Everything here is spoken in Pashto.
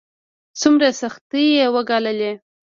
څومره سختۍ يې وګاللې.